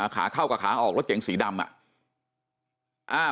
ขาเข้ากับขาออกรถเก๋งสีดำอ่ะ